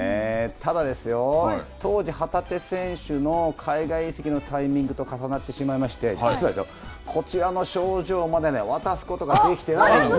ただですよ、当時旗手選手の海外移籍のタイミングと重なってしまいまして、実はこちらの賞状をまだ渡すことができてないんです。